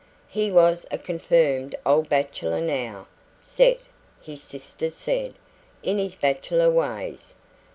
He was a confirmed old bachelor now, "set", his sisters said, in his bachelor ways.